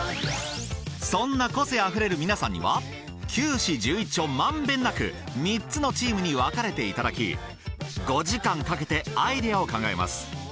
そんな個性あふれる皆さんには９市１１町満遍なく３つのチームに分かれて頂き５時間かけてアイデアを考えます。